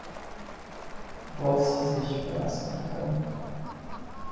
Worauf Sie sich verlassen können.